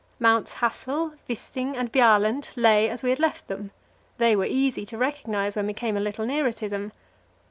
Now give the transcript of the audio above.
Mounts Hassel, Wisting, and Bjaaland, lay as we had left them; they were easy to recognize when we came a little nearer to them.